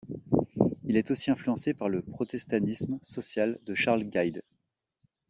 Il est aussi influencé par le protestanisme social de Charles Gide.